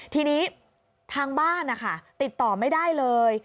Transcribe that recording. ทีนี้ทางบ้านนะคะติดต่อไม่ได้เลย